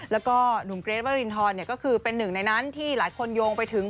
แล้วก็หนุ่มเกรทวรินทรก็คือเป็นหนึ่งในนั้นที่หลายคนโยงไปถึง